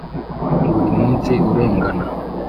buri munsi urengana